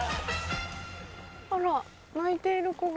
あら泣いている子が。